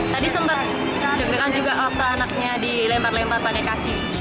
tadi sempat juga juga anaknya dilempar lempar pakai kaki